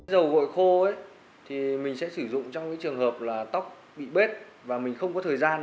dầu gội khô thì mình sẽ sử dụng trong trường hợp là tóc bị bết và mình không có thời gian